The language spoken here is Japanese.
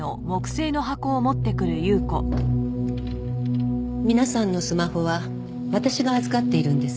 皆さんのスマホは私が預かっているんです。